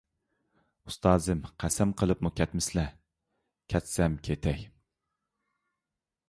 ئۇستازىم، قەسەم قىلىپمۇ كەتمىسىلە، كەتسەم كېتەي.